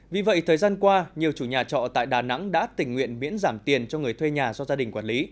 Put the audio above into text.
vì vậy thời gian qua nhiều chủ nhà trọ tại đà nẵng đã tình nguyện miễn giảm tiền cho người thuê nhà do gia đình quản lý